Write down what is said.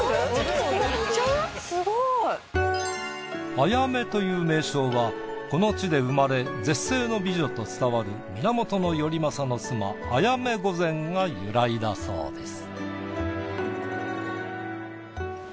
あやめという名称はこの地で生まれ絶世の美女と伝わる源頼政の妻あやめ御前が由来だそうです。